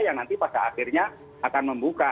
yang nanti pada akhirnya akan membuka